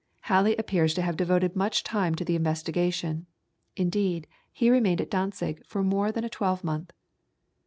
Halley appears to have devoted much time to the investigation; indeed, he remained at Dantzig for more than a twelve month.